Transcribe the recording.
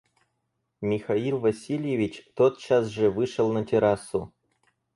Михаил Васильевич тотчас же вышел на террасу.